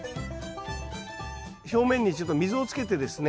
表面にちょっと溝をつけてですね